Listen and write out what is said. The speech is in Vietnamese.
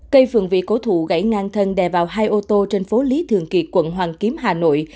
cây phường vị cố thủ gãy ngang thân đè vào hai ô tô trên phố lý thường kiệt quận hoàn kiếm hà nội